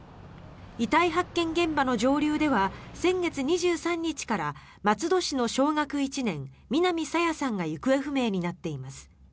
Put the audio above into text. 遺体発見現場の上流では先月２３日から松戸市の小学１年、南朝芽さんが行方不明になっています。